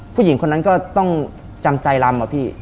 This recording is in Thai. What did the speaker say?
ผู้หญิงคนนั้นก็ต้องจำใจรำอะพี่